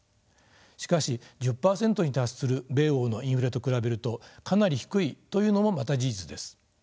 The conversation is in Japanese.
しかし１０％に達する米欧のインフレと比べるとかなり低いというのもまた事実です。